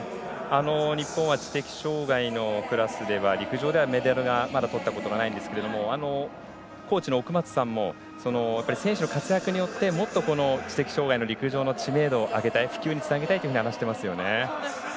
日本は知的障がいのクラスでは陸上ではメダルまだとったことがないんですがコーチの奥松さんも選手の活躍によってもっと知的障がいの陸上の知名度を上げたい、普及につなげたいと話していますよね。